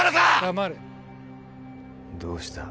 黙れどうした？